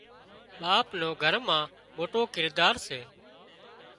ٻاپ نو گھر مان موٽو ڪردار سي